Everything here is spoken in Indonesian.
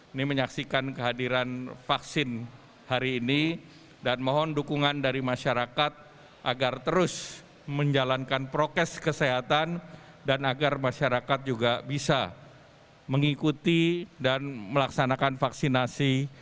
ini menyaksikan kehadiran vaksin hari ini dan mohon dukungan dari masyarakat agar terus menjalankan prokes kesehatan dan agar masyarakat juga bisa mengikuti dan melaksanakan vaksinasi